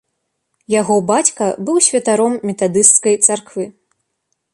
Яго бацька быў святаром метадысцкай царквы.